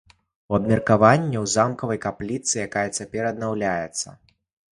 Абмеркаванне ў замкавай капліцы, якая цяпер аднаўляецца.